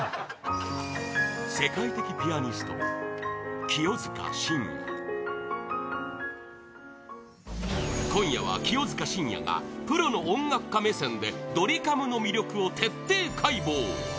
世界的ピアニスト、清塚信也今夜は、清塚信也がプロの音楽家目線でドリカムの魅力を徹底解剖！